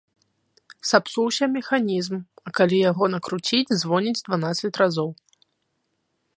Сапсуўся механізм, а калі яго накруціць звоніць дванаццаць разоў.